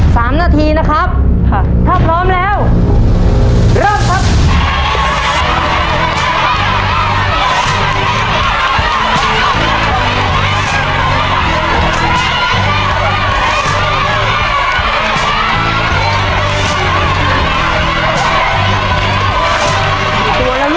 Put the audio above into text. สามนาทีนะครับค่ะถ้าพร้อมแล้วเริ่มครับ